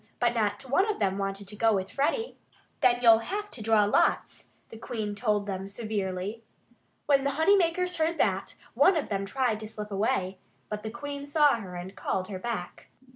But not one of them wanted to go with Freddie. "Then you'll have to draw lots," the Queen told them severely. When the honey makers heard that, one of them tried to slip away. But the Queen saw her and called her back.